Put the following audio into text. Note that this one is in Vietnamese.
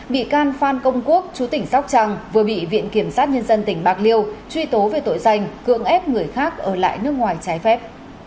bị can phan công quốc chú tỉnh sóc trăng vừa bị viện kiểm sát nhân dân tỉnh bạc liêu truy tố về tội danh cưỡng ép người khác ở lại nước ngoài trái phép